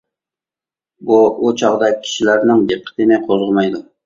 بۇ ئۇ چاغدا كىشىلەرنىڭ دىققىتىنى قوزغىمايدۇ.